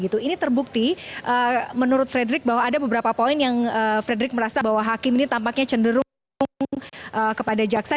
ini terbukti menurut frederick bahwa ada beberapa poin yang frederick merasa bahwa hakim ini tampaknya cenderung kepada jaksa